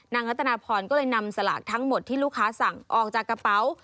รัตนาพรก็เลยนำสลากทั้งหมดที่ลูกค้าสั่งออกจากกระเป๋า